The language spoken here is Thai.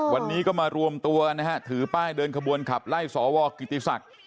วันนี้ก็มารวมตัวกันนะฮะถือป้ายเดินขบวนขับไล่สวกิติศักดิ์